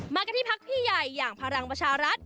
กันที่พักพี่ใหญ่อย่างพลังประชารัฐ